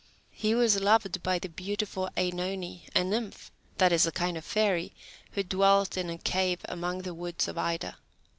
He was loved by the beautiful OEnone, a nymph that is, a kind of fairy who dwelt in a cave among the woods of Ida.